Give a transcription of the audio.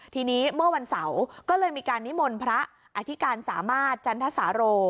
ทีนี้เมื่อวันเสาร์ก็เลยมีการนิมนต์พระอธิการสามารถจันทสาโร